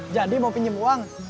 jadi mau pinjem uang